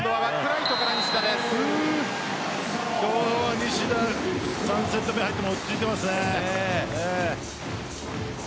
西田は３セット目に入っても落ち着いています。